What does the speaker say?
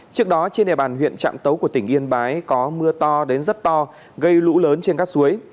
trước đó trên địa bàn huyện trạm tấu của tỉnh yên bái có mưa to đến rất to gây lũ lớn trên các suối